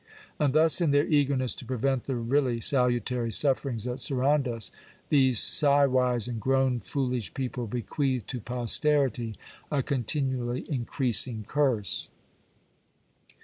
And thus, in their eagerness to prevent the really salutary sufferings that surround us, these sigh wise and groan foolish people bequeath to posterity a con tinually increasing curse.